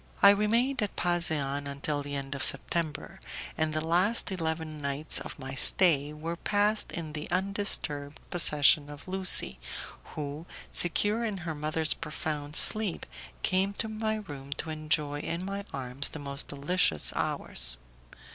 I remained at Pasean until the end of September, and the last eleven nights of my stay were passed in the undisturbed possession of Lucie, who, secure in her mother's profound sleep, came to my room to enjoy in my arms the most delicious hours.